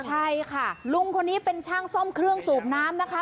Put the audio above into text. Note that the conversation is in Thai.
ใช่ค่ะลุงคนนี้เป็นช่างซ่อมเครื่องสูบน้ำนะคะ